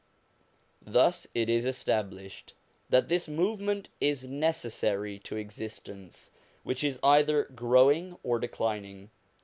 Thus it is established that this movement is neces sary to existence, which is either growing or declining.